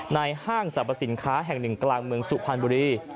ห้างสรรพสินค้าแห่งหนึ่งกลางเมืองสุพรรณบุรี